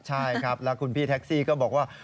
ใช่ครับแล้วคุณพี่แท็กซี่ก็บอกว่า